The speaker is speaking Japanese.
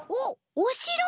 おしろ！